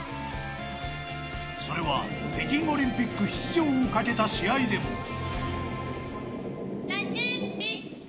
それは北京オリンピック出場をかけた試合でも。